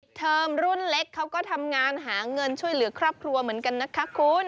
เทอมรุ่นเล็กเขาก็ทำงานหาเงินช่วยเหลือครอบครัวเหมือนกันนะคะคุณ